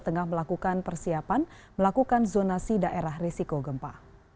tengah melakukan persiapan melakukan zonasi daerah risiko gempa